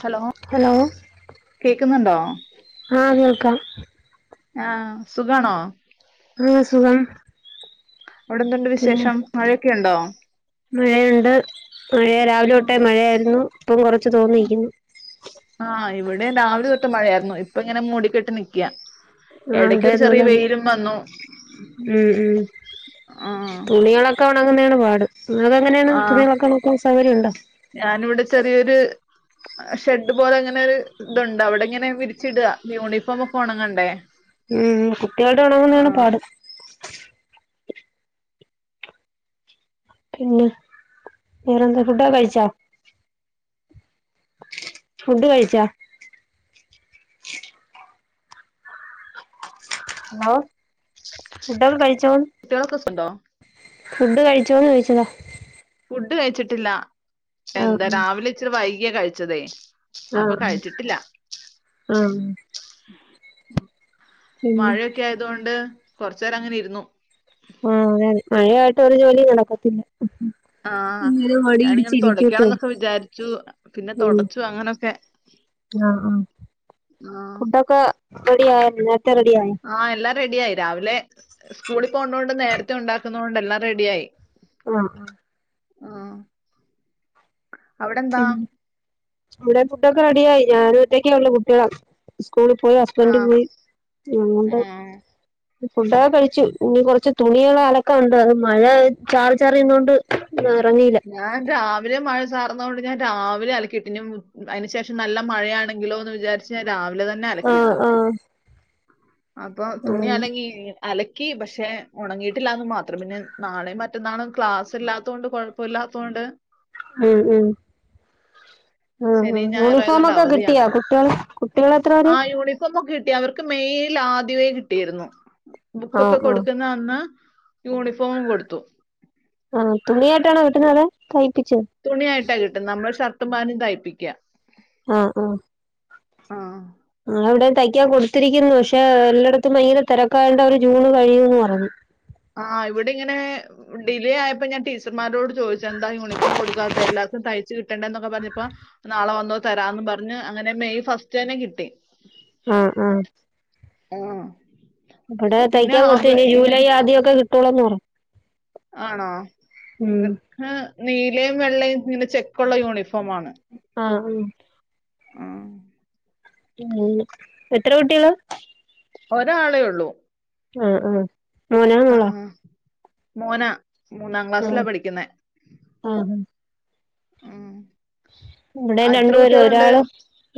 Hello hello കേക്കുന്നുണ്ടോ ആഹ് കേൾക്കാം ആഹ് സുഖാണോ ആഹ് സുഖം അവിടെ എന്തുണ്ട് പിന്നെ വിശേഷം മഴയൊക്കെ ഉണ്ടോ മഴയുണ്ട് മഴ രാവിലെ തൊട്ടേ മഴയായിരുന്നു ഇപ്പം കൊറച്ച് തോന്ന്നിക്കുന്നു ടെ രാവിലെ തൊട്ടെ മഴയാ ഇപ്പം ഇങ്ങനെ മൂടിക്കെട്ടി നിക്കാ ആഹ് അവിടെതുപോലെതന്നെ വന്നു ഉം ഉം ആഹ് തുണികളൊക്കെ ഉണങ്ങുന്നാണ് പാട് നിങ്ങൾക്ക്ങ്ങനെയാണ് ആഹ് തുണികൾ ഒക്കെ ഉണക്കാൻ സൗകര്യംമുണ്ടോ ഞാനിവിടെ ചെറിയൊരു ഷെഡ് പോലെ ഇങ്ങനെ ഒര് ഇതുണ്ട് അവിടെങ്ങനെ വിരിച്ചിടാ യൂണിഫോമ് ഒക്കെ ഒണങ്ങണ്ടേ. ഉം കുട്ടികളുടെ ഉണങ്ങുന്നെയാണ് ആഹ് പാട്. പിന്നെ വേറെന്താ ഫുഡ്‌ടൊക്കെ കഴിച്ചോ ഫുഡ്‌ കഴിച്ച ഫുഡ്‌ ഒക്കെ കഴി ച്ചോ ണ്ടോ ഫുഡ് കഴിച്ചോന്ന് ചോയിച്ചതാ ഫുഡ് കഴിച്ചിട്ടില്ല. എന്താ രാവിലെ ഇച്ചിരി വൈ യാ കഴിച്ചതേ അപ്പൊ ആഹ് കഴിച്ചിട്ടില്ല ആഹ് മഴയൊക്കെ ആയതോണ്ട് കൊർചേരം അങ്ങനെ ഇരുന്നു ആഹ് അതെൻ മഴയായിട്ട് ഒരു ജോലി നടക്കത്തില്ല ആആ ഇങ്ങനെ മടി ഞാനിങ്ങനെ പിടിച്ചിരിക്കത്തേ തുടക്കാനെന്നൊക്കെ വിചാര്ച്ചു. പിന്നെ ഉം തൊടച്ചു അങ്ങനൊക്കെ ആഹ് ആഹ് ബെടി ആഎന്നെ ക്കെ റെഡിയായി റെഡിയായി രാവിലെ സ്കൂളിൽ പോന്നോണ്ട് നേരത്തെ ഉണ്ടാക്കുന്നോണ്ട് എല്ലാം റെഡി ആയി. ആഹ് ആഹ് അവിടെന്താ? ആഹ് ഇവിടെ ഫുഡൊക്കെ റെഡിയായി. ഞാൻ ഒറ്റക്കേ ഉള്ളൂ കുട്ട്യോള് സ് കൂളി പോയി ആ ഹസ്ബൻഡ് പോയി. ആ. നെന്താ ഫുഡൊക്കെ കഴിച്ചു ഇനി കൊറച്ച് തുണികള് അലക്കാൻ ഉണ്ട് അത് മഴ ചാറി ചാറി നിന്നോണ്ട് ഞൻ രാ വിലെ മഴ ചാറുന്നോണ്ട് ഞാൻ രാവിലെ അലക്കിട്ട് അതിന് ശേഷം നല്ല മഴയാണെങ്കിലോ എന്ന് വിചാരിച്ച് ഞാൻ രാ വിലെ തന്നെ ആഹ് അലക്കിയിട്ടു ആഹ് അപ്പൊ തുണി ആഹ് അല്ലെങ്കി ഈ അലക്ക് ക്കീ പക്ഷെ ഉണങ്ങീട്ടില്ലാന്ന് മാത്രം പിന്നെ നാളെ മറ്റന്നാളും ക്ലാസ്സില്ലാത്തോണ്ടു കൊഴപ്പല്ലാത്തോണ്ട് ഉം ഉം ഉം ഊം ശനി ഞായർ ആയതുകൊണ്ട് യൂണിഫോമൊക്കെ കിട്ടിയാ അവധിയാണല്ലോ കുട്ടികൾ കുട്ടികൾ എത്രേര് ക്ക് മേയിൽ ആദ്യമേ കിട്ടിയിരുന്നു ആഹ് ബുക്കൊക്കെ ആഹ് കൊടുക്കുന്ന അന്ന് യൂണിഫോമും കൊടുത്തു ആ തുണിയായിട്ടാണോ കിട്ടുന്നെ അതോ തയ്പ്പിക്ക് തുണിയായിട്ടാ കിട്ടും നമ്മൾ ഷർട്ട്‌ [unintelligible] തയ്പ്പിയ്‌ക്യാ ആ ആ ആ ങ്ങള എവിടന്ന് തയ്ക്കാൻ കൊടുത്തിരിക്കുന്നു പക്ഷെ എല്ലായിടത്തും ഭയങ്കര തിരക്കായോ ണ്ടേ ജൂണ് കഴിയൂന്നെ പറഞ്ഞു ആ ഇവിടിങ്ങനെ ഡിലേ ആയപ്പോ ഞാൻ ടീച്ചർമാരോട് ചോദിച്ച എന്താ യൂണിഫോം കൊടുക്കാത്ത് എല്ലർക്കും തയ്പ്പ് തച്ചു കിട്ടണ്ടേന്നൊക്കെ പറഞ്ഞപ്പോ നാളെ വന്നോ തരാംന്ന് പറഞ്ഞു അങ്ങനെ മെയ് ഫസ്റ്റ് തന്നെ കിട്ടി ആആ ആ ങ് ഹ്‌ ഇടെ തയ്ക്കാൻ കൊടുത്തു കയിഞ്ഞാ ജൂലൈ ആദ്യോക്കെ കിട്ട് തുളന്നൂ ആണോ ഇവർക്ക് നീലയും വെള്ളയും ഇങ്ങനെ ചെക്കുള്ള യൂണിഫോം ആ ഊം ആ ഉ എത്ര കുട്ട്യേളെ ഒരാളേ ഒള്ളൂ ആ ആ മോനോ മോളോ മോനാ മൂന്നാം ക്ലാസ്സിലാ പഠിക്കുന്നെ ഊം ഇവിടെ രണ്ടുപേരെ ഒരാള്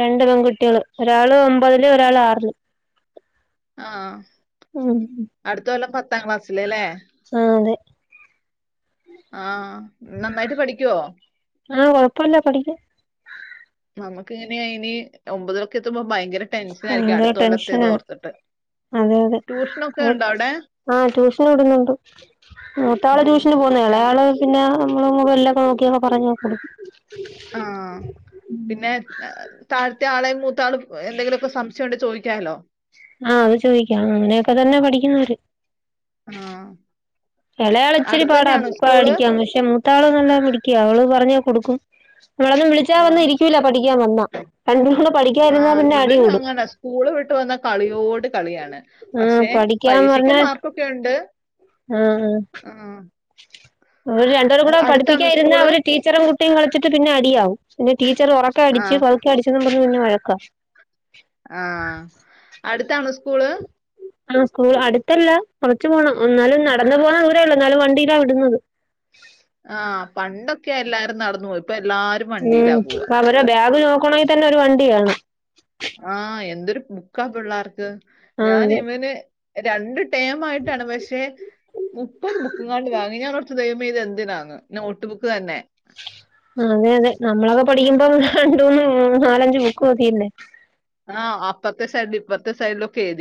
രണ്ട് പെൺകുട്ടികള് ഒരാള് ഒമ്പതില് ഒരാള് ആറില് ആ ഉം അടുത്ത കൊല്ലം പത്ത് ത്താം ക്ലാസ്സിലല്ലേ ആഹ് അതെ ആ നന്നായിട്ട് പഠിക്കുവോ ആ കുഴപ്പില്ല പഠിക്കും നമുക്ക് ഇങ്ങനെ അയിന് ഒമ്പത്‌ലൊക്കെ എത്തുമ്പോ ഭയങ്കര ടെൻഷൻ ആയിരിക്കും ഭയങ്കര അടുത്ത കൊല്ലത്തേത് ടെൻഷനാണ് ഓർത്തിട്ട് അതെ അതെ ട്യൂഷനൊക്കെ ഉണ്ടോ അവിടെ ആ ട്യൂഷൻ വിടുന്നുണ്ട് മൂത്ത ആള് ഉം. ട്യൂഷന് പോകുന്നയാ ഞാ- ഇളയാള് പിന്നെ നമ്മള് മ എല്ലൊക്കെ നോക്കിയൊക്കെ പറഞ്ഞ് കൊടുക്കും ആ പിന്നെ താഴ്ത്തെ ആളെ മു ൾ എന്തെങ്കിലുമൊക്കെ സംശയം ഉണ്ടെങ്കി ചോയി കേലോ ആ അത് ചോദിക്കാം അങ്ങനെയൊക്കെ തന്നെ പഠിക്കുന്നത് ഇവര് ആ ഇളയാള് ഇച്ചിരി അടുത്ത് പാടാ തന്നെയാണോ സ്കൂള് പഠിക്കാൻ പക്ഷെ മൂത്ത മൂത്താള് നല്ല മിടിക്കിയ അവള് പറഞ്ഞ് കൊടുക്കും ഇവളൊന്നും വിളിച്ചാ ആ വന്ന് ഇരിക്കൂല്ല പഠിക്കാൻ വന്നാ അണ്ട ആഹ് ഇവൻ അങ്ങന സ്കൂള് വിട്ട് വന്ന പി കളിയോട് കളിയാണ്. ആഹ് പക്ഷെ പഠിക്കാൻ പരീക്ഷക്ക് പറഞ്ഞാ മാർക്കൊക്കെ ഉണ്ട് ആഹ് ആഹ് ആഹ് അവര് രണ്ടോരും കൂടെ പഠിപ്പിക്കായിരുന്ന അവര് ടീച്ചറും കുട്ടി ട്ടിയും കളിച്ചിട്ട് പിന്നെ അടിയാവും പിന്നെ ടീച്ചറ് ഉറക്ക അടിച്ച് ആഹ് പതുക്ക അടിച്ച് എന്നും പറഞ്ഞ് പിന്നെ വഴക്ക സ്കുള് ആ സ്കൂൾ അടുത്തല്ല കുറച്ചു പോണം എന്നാലും നടന്നു പോണ ദൂ ള്ളൂ എന്നാലും വണ്ടീലാ വിടുന്നത് ആഹ് പണ്ടൊ ഒക്കെ എല്ലാരും നടന്നു പോയി ഉം ആപ്പ അവര ബാഗ് ചൊമ ക്കണമെങ്കിൽ തന്നെ ഒരു വണ്ടി വേണം ആ എന്തൊരു ബുക്കാ പിള്ളാർക്ക് ആ ഞാൻ അതെ ഇവന് രണ്ട് ടേം ആയിട്ടാണ് പക്ഷെ മുപ്പത് ബു ങ്ങാണ്ട് വാങ്ങി ഞാൻ ഓർത്തു ദൈവമേ ഇത് എന്തിനാന്ന് നോട്ട് ബുക്ക് തന്നെ അതെ അതെ നമ്മളൊക്കെ പഠിക്കുമ്പോ രണ്ടൂന്ന് നാലഞ്ച് ബുക്ക് മതിയില്ലേ ആഹ് അപ്പത്തേ സൈഡ് ഇപ്പത്തേ സൈഡിലൊക്കെ എഴു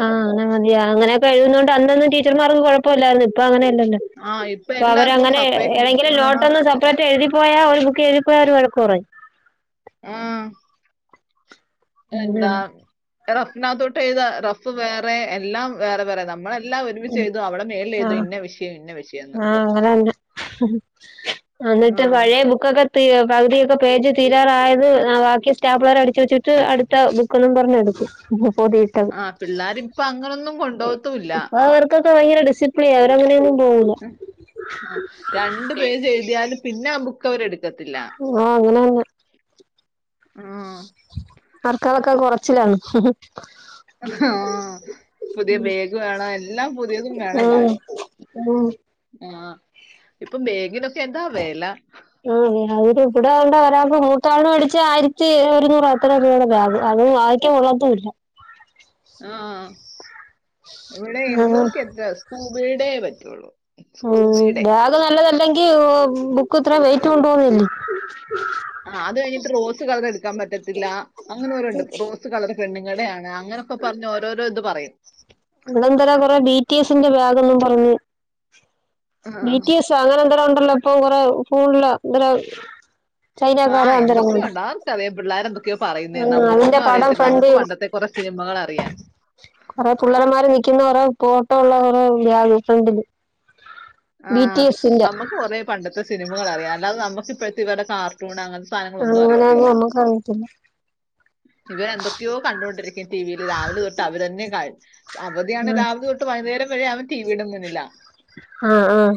ആ അങ്ങന മതി അങ്ങനെയൊക്കെ എഴതുന്നോണ്ട് അന്ന് അന്ന് ടീച്ചർമാർക്ക് കുഴപ്പം ഇല്ലായിരുന്നു ഇപ്പ അങ്ങനെ അ ആഹ് ഇപ്പ അ എല്ലാർക്കും അവരങ്ങനെ സെപ്പറേറ്റ് ബുക്ക് ഏതെങ്കിലും വേണം. നോട്ടൊന്ന് സെപ്പറേറ്റ് എഴുതിപ്പോയാൽ ഒരു ബുക്ക് എഴുതിപ്പോയാ അവർ വഴ കുറേ ആ എന്താ റഫിനകത്തോട്ട് ചെയ്ത റഫ് വേറെ എല്ലാം വേറെ വേറെ നമ്മളെ ആ ഇന്ന വിഷയം എന്ന് ആ അങ്ങനെ ആ എന്നിട്ട് പഴയ ബുക്കൊക്കെ പകുതിയൊക്കെ പേജ് തീരാറായത് ബാക്കി സ്റ്റാപ്പുള്ളേർ അടിച്ചു വെച്ചിട്ട് അടുത്ത ബുക്കൊന്നും പറഞ്ഞെടുക്കും ആ പിള്ളേരിപ്പൊ അങ്ങനൊന്നും കൊണ്ടു പോവാതുല്ല ഇപ്പൊ അവർക്കൊക്കെ ഭയങ്ക ഡിസിപ്ലിൻ അവരങ്ങനെയ ഉ ആ രണ്ട് പേജ് എഴുതിയാലും പിന്നെ ആബുക്കു കോരേട് ആ അങ്ങനെന്ന ആഹ്. ആർക്കാലൊക്കാ കുറച്ചിലാണ്. ആഹ് പുതിയ ബേഗ് വേണം എല്ലാം പുതിയതും വേണം ഉം താനും ഉം ആഹ് ഇപ്പൊ ബേഗിനൊ ക്കെന്താ വെല ഇവിടോ ണ്ട് ഒരാൾക്ക് മൂത്താളിന് മേടിച്ച ആയിരത്തി ഒരുന്നൂറ് അത്ര രൂപയുടെ ബാഗ് അത് വായിക്കാൻ കൊള്ളത്തൂല്ല. ആഹ് ഇവിടെ ആഹ് എണ്ണൂറ്റി എത്ര സ്കൂബീടെ റെ റ്റൊള്ളൂ ഉം ബാഗ് നല്ലതല്ലെങ്ക ബുക്ക്ത്ര വെയ്റ്റ് കൊണ്ട് പോവല്ലേ ആഹ് അത് കഴിഞ്ഞിട്ട് റോസ് കളർ എടുക്കാൻ പറ്റത്തില്ല അങ്ങനെ ഓരോ ഉണ്ട് റോസ് കളർ പെണ്ണുങ്ങടെയാണ് അങ്ങനെയൊക്കെ പറഞ്ഞ് ഓരോരോ ഇത് പറയും ഇവിടെന്തര കൊറേ ബീറ്റ് കേസിന്റെ ബാഗെന്നും പറഞ്ഞ് ആ ബി ടി എസൊ അങ്ങനെ എന്തൊരോ ഉണ്ടല്ലോ ഇപ്പ കുറേ ഫോണില് ഇങ്ങനെ ആഹ് എന്തൊക്കെയോ ഉണ്ട് ആർക്കറിയാം പിള്ളേർ എന്തൊക്കെയോ പറയുന്ന ഉം അതിന്റെ നമ്മുക്കൊന്നും പടം അറിയത്തില്ല ഫ്രണ്ട് നമുക്ക് പണ്ടത്തെ കുറെ സിനിമകളറിയാം ഇപ്പോള്ളറോ [unintelligible] ഫ്രണ്ടില് ബി ആഹ് ടി എസിന്റെ നമ്മുക്ക് കൊറെ പണ്ടത്തെ സിനിമകൾ അറിയാം അല്ലാതെ നമുക്ക് ഇപ്പഴത്തെ ഇവരുടെ കാർട്ടൂൺ അങ്ങനെ സാധനങ്ങളൊന്നും അങ്ങനെയൊന്നും അറിയത്തില്ല നമ്മുക്ക് അറിയത്തില്ല ഇവർ എന്തൊക്കെയോ കണ്ടോണ്ടിരിക്കും ടിവില് രാവിലെ തൊട്ട് അവരന്നെ അവധിയാണ് രാവിലെ തൊട്ട് വൈകുന്നേരം ഴേ അവൻ ടീവീട മുന്നിലാ ആഹ് ആഹ്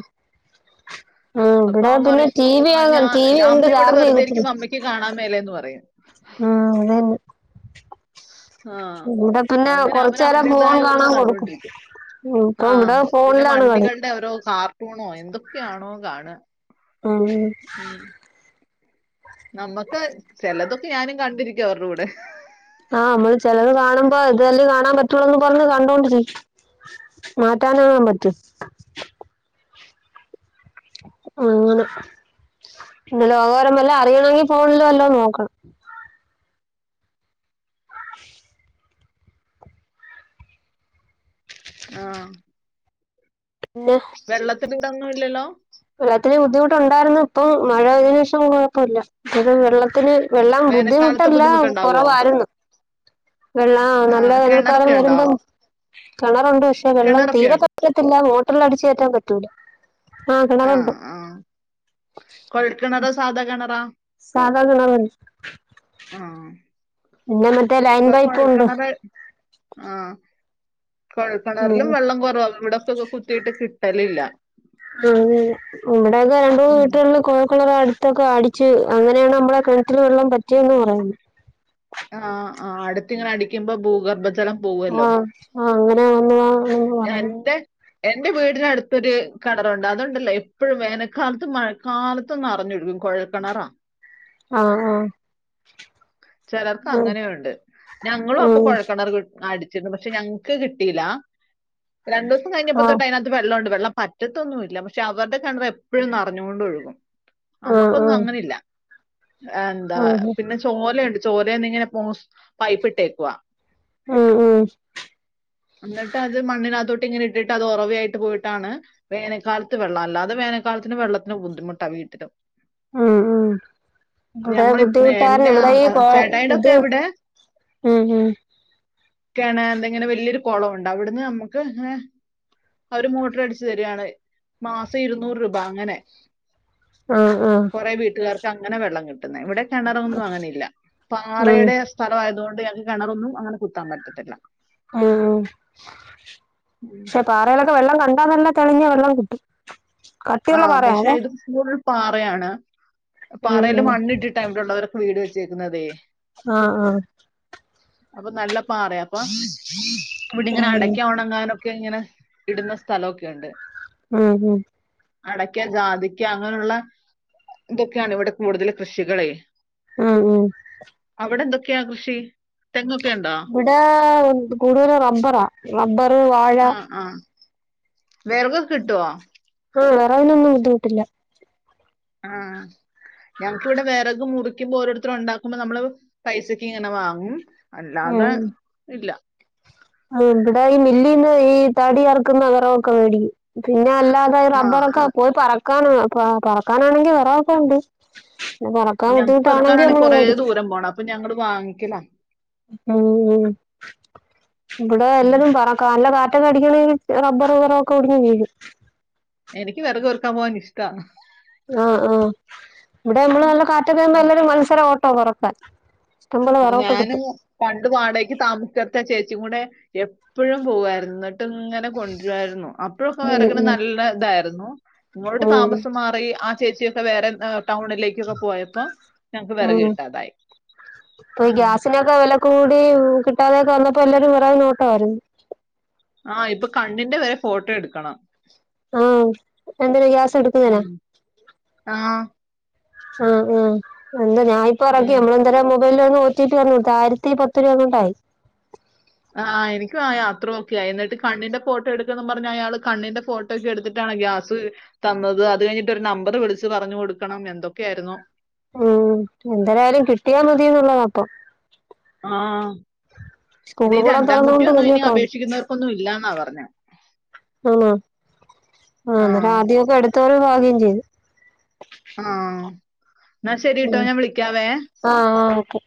ആഹ് അപ്പൊ ഇവിടെ അവൻ പിന്നെ പറയും ടി വി ആ ഞാ ആകാൻ ടി വി അമ്മ ഉണ്ട് ഇവിടെ ചാർജ് ചെയ്തിട്ടില്ല വെറുതൊയിരിക്കുബോ അമ്മയ്ക്ക് കാണാൻ മേലെന്ന് പറയും. ഉം അതന്നെ ആഹ് ഇവിടെ പിന്നെ അങ്ങനെ അവൻ കൊറച്ചു നേരം ഫോൺ അവന്റേതായ ഓരോന്ന് കാണാൻ കൊടുക്കും കണ്ടൊണ്ടിരിക്കും ഇപ്പൊ ആഹ് ഇവിടെ പിന്നെ ഫോണിലാണ് കളി വണ്ടികളുടെ ഓരോ കാർ- ട്ടൂണോ എന്തൊക്കെയാണോ കാണ ആഹ് നമ്മക്ക് ചിലതൊക്കെ ഞാനും കണ്ടിരി ചോറിനു കൂടെ- ആഹ് നമ്മള് ചെലത് കാണുമ്പോ ഇത് തന്നെ കാണാൻ പറ്റുള്ളൂന്ന് പറഞ്ഞ് കണ്ടോണ്ടിരിക്കും മാറ്റാനാകൻ പറ്റുവോ. അങ്ങനെ പിന്നെ ലോകവിവരം വല്ലോ അറിയണമെങ്കി ഫോണില് വല്ലോ നോക്കണം. ആ പിന്നെ വെള്ളത്തിയിവിടങ് ന്നുല്ലല്ലോ? വെള്ളത്തിന് ബുദ്ധിമുട്ടുണ്ടായിരുന്നു. ഇപ്പം മഴ ആയതിന് ശേഷം കുഴപ്പില്ല. അതായത് വെള്ളത്തിന് വെള്ളം വേനൽക്കാലത്ത് ബുദ്ധിമുട്ടല്ല, ബുദ്ധിമുട്ടുണ്ടാവോ? കൊറവായിരുന്നു. വെള്ളം ആ നല്ല വേനൽക്കാലം കിണറൊക്കെ ഉണ്ടോ? വരുമ്പം കെണറുണ്ട് പക്ഷെ വെള്ളം കിണറൊക്കെ ഉണ്ട്. തീരെപ്പറ്റത്തില്ല, എന്നാ ള്ളം അടിച്ചേറ്റാൻ പറ്റൂല. ആ ആ കൊഴൽകെണറ് സാധാകെ കെണറാ സാധാ കിണർ ആ. പിന്നെ മറ്റേ ലൈൻ ഇപ്പൊ പൈപ്പൂണ്ട്. കുഴൽക്കിണറ് കൊഴൽക്കിണറിലും വെള്ളം കുറവാ. ഇവിടൊക്കെ കുത്തിയിട്ട് കിട്ടലില്ല മ്മ് നമ്മടേതായി [unintelligible] ഉം. ള അട്ത്തൊക്കെ അടിച്ച് അങ്ങനെയാണ് നമ്മളെ കെണറ്റില് വെള്ളം വറ്റിയന്ന് പറയ്ന്ന്. ആഹ് ആ അട്ത്തിങ്ങനെ അടിക്കുമ്പോ ഭൂഗർഭ ജലം പോവല്ലോ? അങ്ങനെ ആ ആ പറ എന്റെ വീടിനടുത്തൊരു കെണറുണ്ട്. അതൊണ്ടല്ലോ എപ്പഴും വേനൽക്കാലത്തും മഴക്കാലത്തും നെറഞ്ഞൊഴുകും. കുഴൽ കെണറാ. ആ ആ ചെലർക്ക് ഉം അങ്ങനെയുണ്ട്. ഞങ്ങളു അപ്പൊ ഉം കൊഴൽക്കെണറ് അടി ച്ചിക്കിണ്. പക്ഷെ ഞങ്ങക്ക് കിട്ടീല രണ്ടീസം കഴിഞ്ഞപ്പോ ആ തൊട്ടതിനാത്ത് വെള്ളോണ്ട് വെള്ളം പറ്റത്തൊന്നൂല്ല. പക്ഷെ അവര്ടെ കെണറ് എപ്പഴും നെറഞ്ഞോണ്ടൊഴുകും. ആ ആ അമ്മക്കൊന്നു അങ്ങനെ ഇല്ല എന്താ, ഉം പിന്നെ ച് ചോലയിണ്ട്. ചോലേന്നിങ്ങനെ പോസ്, പൈപ്പിട്ടേക്കുവാ. ഉം ഉം എന്നിട്ട് അത് മണ്ണിനകത്തോട്ട് ട്ട് ഇങ്ങനെ ഇട്ടിട്ട് അത് ഒറവയായിട്ട് പോയിട്ടാണ് വേനൽക്കാലത്ത് വെള്ളം. അല്ലാതെ വേനൽക്കാലത്തിന് വെള്ളത്തിന് ബുദ്ധിമുട്ടാ വീട്ടിലും. ഉം ഉം ഇവിടെ ഞങ്ങള് ഇപ് ബുദ്ധിമുട്ടാണ് എന്റെ [unintelligible] കോ ഹ കോ ചേട്ടായിടൊക്കെ ഇത് ഉം ഉം കെണറിന്റെ ഇങ്ങനെ വല്യൊരു കൊളവുണ്ട്. അവിട്ന്ന് നമ്മക്ക് ഇങ്ങനെ, അവര് മൂട്ടറടിച്ച് തരാണ്. മാസം ഇരുന്നൂറ് രൂപ അങ്ങനെ ആ ആഹ് തങ്ങനെ വെള്ളങ്ങൾ ഇവിടെ കിണറിനൊന്നും അങ്ങ ഉം പാറയുടെ സ്ഥല അതുകൊണ്ട് ഞങ്ങൾക്ക് കിണറൊന്നും അങ്ങനെ കുത്താൻ പറ്റത്തില്ല ഉം ഉം. പാറയിലൊക്കെ വെള്ളം കാ ഇവിടെ നല്ല തെളിഞ്ഞ വെള്ളം കിട്ടും ആ കട്ടിയുള്ള പാറയാ പക്ഷെ അതെ ഇത് കൂ പാറയാണ് പാറയില് മണ്ണിട്ടിട്ട ഇവിടെ ഉള്ളവരൊക്കെ വീട് വെച്ച വെച്ചേക്കുന്നതേ ആഹ് ആഹ് അപ്പൊ നല്ല പാറ അപ്പ ഇവിടി ഇങ്ങനെ ആഹ് അടയ്ക്ക ഉണങ്ങാനും ഒക്കെ ഇങ്ങനെ ഇടുന്ന സ്ഥലമൊക്കെ ഉണ്ട് ഉം ഉം അടക്ക ജാതിക്ക അങ്ങനെയുള്ള ഇതൊക്കെയാണ് ഇവിടെ കൂടുതൽ കൃഷികള് ആഹ് ഉം ക്കയാ കൃഷി തെങ്ങൊക്കെ ഉണ്ടോ ഇവിടെ കൂടുതലും റബറാ റബർ ആ ആ വെറകൊക്കെ കിട്ടുവോ അതിനൊന്നും ബുദ്ധിമുട്ടില്ല ആ ഞങ്ങക്ക് ഇവിടെ വിറക് മുറിക്കുമ്പോ ഓരോരുത്തരും ഉണ്ടാക്കുമ്പോ നമ്മള് പൈസക്ക് ഇങ്ങനെ വാങ്ങും അല്ലാതെ ഇല്ല ആ ഇവിടെ ഈ മില്ലീന്ന് ഈ തടി അറുക്കുന്നകരൊക്കെ മേടിക്കും പിന്നെ പിന്നെ അല്ലാതെ ആ റബ്ബറൊക്കെ ആ പോയി പറ ക്ക പറക്കാനാണെങ്കി വെറകൊക്കെ ഉണ്ട് പറക്കാൻ ഞങ്ങക്ക് ബുദ്ധിമുട്ടാണെങ്കി പെറുക്കാനാണെങ്കിൽ നമ്മള് കുറേ മേടിക്കും ദൂരം പോണം അപ്പൊ ഞങ്ങള് വാങ്ങിക്കലാ ഇവിടെ ഉം. എല്ലാരും പറക്കാം നല്ല മറ്റ കടികള റബ്ബർ റബറൊക്കെ ഉടിഞ്ഞു വീി എനിക്ക് വിറക് പെറക്കാൻ പോകാൻ ഇഷ്ടമാണ് ആഹ് ആഹ് ഇവിടെ നമ്മള് ഇഷ്ടാണ് നല്ല കാറ്റൊക്കെ അടിക്കുമ്പോ എല്ലരും മത്സരാ പെറക്കാൻ ഞാനും പണ്ട് വാടകക്ക് താമസി ചുടുത്ത ചേച്ചി കു കൂടെ എപ്പോഴും പോകായിരുന്നു ഇങ്ങനെ കൊണ്ടുവായിരുന്നു അപ്പോഴൊക്കെ ഉം വരക്കുന്ന ഉം നല്ല ഇതായിരുന്നു. [inaudible] മങ്ങളോട് ഉം താമസം മാറി ആഹ് ചേച്ചിക്കെ വേറെ- ടൗണിലേക്കൊക്കെ പോയപ്പോ ഞങ്ങക്ക് വിറക് കിട്ടാതായി. ഇപ്പ ഉം. ഗ്യസിനൊക്കെ വെ ക്ക കൂടി കിട്ടാതെയൊക്കെ വന്നപ്പോ എല്ലാരും വറകിനോട്ടരുന്നു ആഹ് ഇപ്പൊ കണ്ണിന്റെ വരെ ഫോട്ടോ എടുക്കണം. ആഹ് എന്താണ് ഗ്യാസ് എടുക്കുന്നെനൊ ഉം. ആ ആഹ് ആഹ് എന്താ ഞാ ഇപ്പ റെക്കി ഉം. നമ്മെളെന്തെരെ [unintelligible] വല്ലോം നോറ്റിട്ട് വര്ന്ന കാര്യത്തി പത്ത് രൂപ ങ്ങാണ്ടായി. ആഹ് എനിക്കും ആയ അത്രൊക്കെയയി എന്നിട്ട് കണ്ണിന്റെ ഫോട്ടോ എടുക്കണം പർഞ്ഞ് അയാൾ കണ്ണിന്റെ ഫോട്ടോക്കെ എടുത്തിട്ടാണ് ഗ്യാസ് തന്നത് അത് കഴിഞ്ഞിട്ടൊരു നമ്പർ വിളിച്ച് പറഞ്ഞ് കൊടുക്കണം എന്തൊക്കെയായിരുന്നു. ഉം എന്തരായാലും കിട്ട്യാ മതിന്ന്ള്ളത പ്പം ആഹ് സ്കൂള് കൂടാ തോറന്നൊണ്ട് വെല്ല്യ കാ അപേക്ഷിക്കുന്നവർക്കൊന്നും ഇല്ലാന്നാ പറഞ്ഞത് ആഹ് ആ ആഹ് ന്നട്ട് ആദ്യൊക്കെ എടു ചോറ് വാങ്ങേം ചെയ്ത്. ആഹ് ഉം ആഹ് ആഹ് ഓക്കെ.